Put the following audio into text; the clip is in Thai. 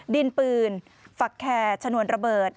ดินปืนฝักแคร์ชนวนระเบิด